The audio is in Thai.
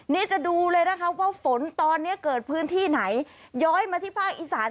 นี่จะดูเลยนะคะว่าฝนตอนนี้เกิดพื้นที่ไหนย้อยมาที่ภาคอีสาน